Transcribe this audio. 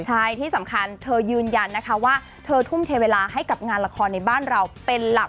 ใช่ที่สำคัญเธอยืนยันนะคะว่าเธอทุ่มเทเวลาให้กับงานละครในบ้านเราเป็นหลัก